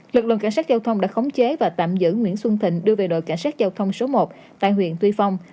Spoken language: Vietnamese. lực lượng cảnh sát giao thông đã khống chế và tạm giữ nguyễn xuân thịnh đưa về đội cảnh sát giao thông số một tại huyện tuy phong